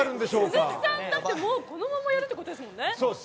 鈴木さんはこのままやるということですもんね。